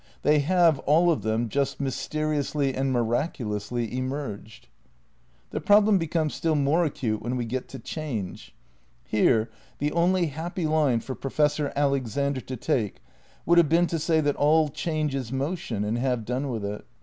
They have, aU of them, just mysteriously and miraculously '' emerged. '' The problem becomes still more acute when we get to Change. Here the only happy line for Professor Alexander to take would have been to say that all change is motion and have done with it.